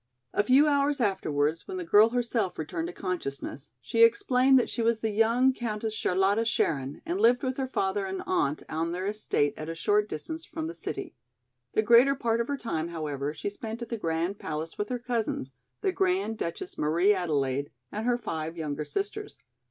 A few hours afterwards, when the girl herself returned to consciousness, she explained that she was the young Countess Charlotta Scherin and lived with her father and aunt on their estate at a short distance from the city. The greater part of her time, however, she spent at the Grand Palace with her cousins, the Grand Duchess Marie Adelaide and her five younger sisters.